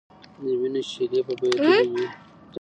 د وینو شېلې به بهېدلې وي.